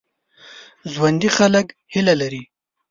ژوندي خلک هیله لري